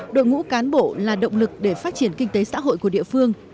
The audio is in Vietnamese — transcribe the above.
đội ngũ cán bộ là động lực để phát triển kinh tế xã hội của địa phương